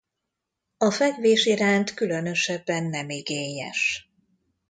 A fekvés iránt különösebben nem igényes.